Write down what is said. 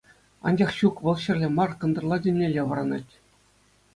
Анчах ҫук — вӑл ҫӗрле мар, кӑнтӑрла тӗлнелле вӑранать.